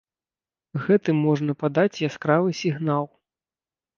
Гэтым можна падаць яскравы сігнал.